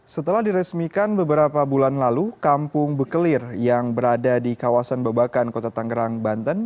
setelah diresmikan beberapa bulan lalu kampung bekelir yang berada di kawasan babakan kota tangerang banten